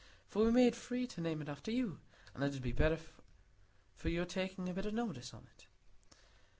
For we made free to name it after you, and it 'ud be better for your takin' a bit o' notice on it."